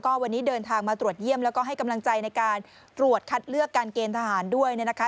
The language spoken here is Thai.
วันนี้เดินทางมาตรวจเยี่ยมแล้วก็ให้กำลังใจในการตรวจคัดเลือกการเกณฑ์ทหารด้วยนะคะ